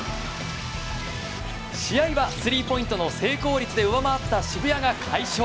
試合は３ポイントの成功率で上回った渋谷が快勝。